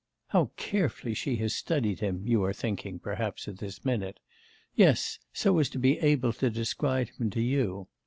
"How carefully she has studied him!" you are thinking, perhaps, at this minute. Yes; so as to be able to describe him to you.